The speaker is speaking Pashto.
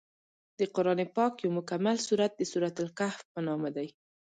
د قران پاک یو مکمل سورت د سورت الکهف په نامه دی.